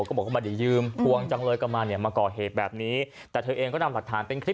เขาบอกว่าไม่ได้ยืมกังหนูเลยค่ะเขาเป็นอะไรกับเรา